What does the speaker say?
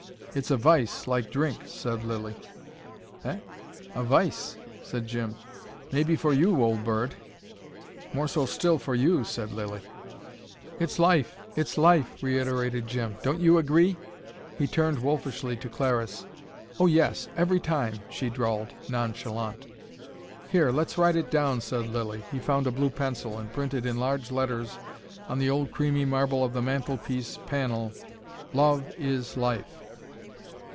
"It's a vice, like drink," said Lilly. "Eh? A vice!" said Jim. "May be for you, old bird." "More so still for you," said Lilly. "It's life. It's life!" reiterated Jim. "Don't you agree?" He turned wolfishly to Clariss. "Oh, yes every time " she drawled, nonchalant. "Here, let's write it down," said Lilly. He found a blue pencil and printed in large letters on the old creamy marble of the mantel piece panel: LOVE IS LIFE.